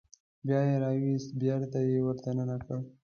بیا یې راوویست بېرته یې ور دننه کړ.